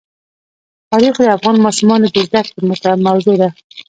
تاریخ د افغان ماشومانو د زده کړې موضوع ده.